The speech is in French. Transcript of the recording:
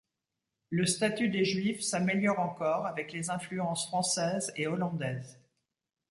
Le statut des Juifs s'améliore encore avec les influences française et hollandaise.